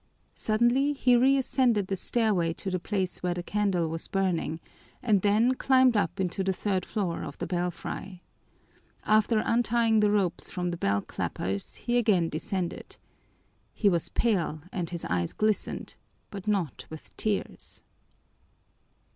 Suddenly he reascended the stairway to the place where the candle was burning and then climbed up into the third floor of the belfry. After untying the ropes from the bell clappers he again descended. He was pale and his eyes glistened, but not with tears.